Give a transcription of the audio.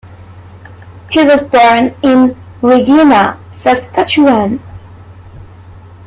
He was born in Regina, Saskatchewan.